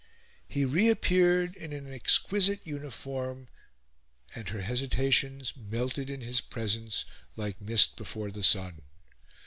He reappeared, in an exquisite uniform, and her hesitations melted in his presence like mist before the sun.